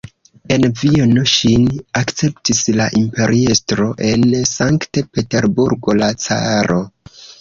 En Vieno ŝin akceptis la imperiestro, en Sankt-Peterburgo la caro.